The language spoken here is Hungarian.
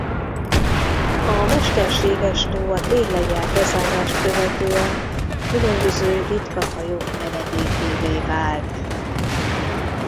A mesterséges tó a téglagyár bezárást követően a különböző ritka fajok menedékévé vált.